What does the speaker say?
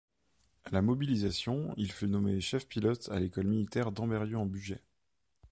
À la mobilisation, il fut nommé chef-pilote à l'école militaire d'Ambérieu-en-Bugey.